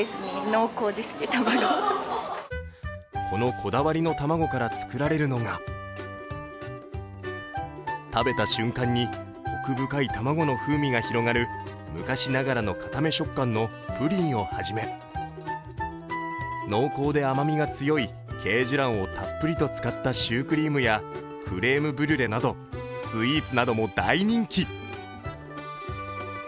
このこだわりの卵から作られるのが食べた瞬間にコク深い卵の風味が広がる昔ながらの固め触感のプリンをはじめ、濃厚で甘みが強い恵壽卵をたっぷりと使ったシュークリームやクレームブリュレなどスイーツなども第二期。